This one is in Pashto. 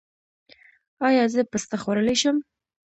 ایا زه پسته خوړلی شم؟